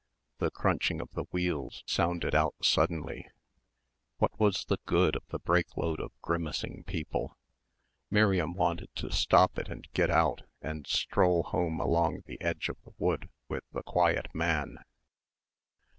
The crunching of the wheels sounded out suddenly. What was the good of the brake load of grimacing people? Miriam wanted to stop it and get out and stroll home along the edge of the wood with the quiet man.